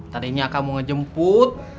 tadinya akang mau ngejemput